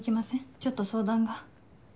ちょっと相談が。